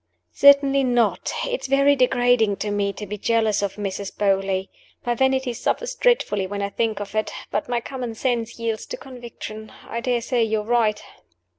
"Certainly not. It is very degrading to me to be jealous of Mrs. Beauly. My vanity suffers dreadfully when I think of it. But my common sense yields to conviction. I dare say you are right."